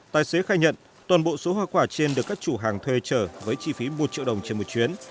tài xế khai nhận toàn bộ số hoa quả trên được các chủ hàng thuê trở với chi phí một triệu đồng trên một chuyến